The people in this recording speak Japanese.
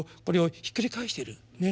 これをひっくり返している。